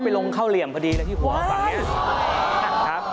ตื่นขึ้นมาอีกทีตอน๑๐โมงเช้า